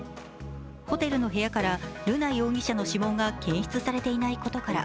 ホテルの部屋から瑠奈容疑者の指紋が検出されていないことから、